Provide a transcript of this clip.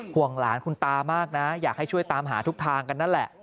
ห่วงหลานคุณตามากนะอยากให้ช่วยตามหาทุกทางกันนั่นแหละ